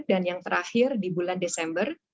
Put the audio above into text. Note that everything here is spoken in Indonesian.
dan yang terakhir di bulan desember